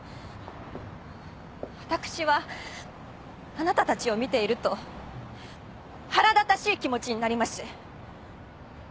⁉私はあなたたちを見ていると腹立たしい気持ちになります。